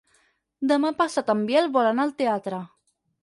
Demà passat en Biel vol anar al teatre.